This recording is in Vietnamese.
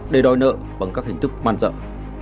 để đòi nợ bằng các hình thức man dậm